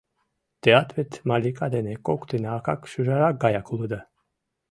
— Теат вет Малика дене коктын акак-шӱжарак гаяк улыда.